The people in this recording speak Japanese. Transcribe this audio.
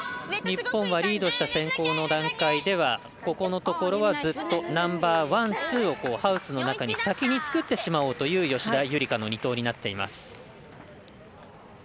日本はリードした先攻の段階ではここのところはずっとナンバーワン、ツーをハウスの中に先に作ってしまおうという吉田夕梨花の２投になっています。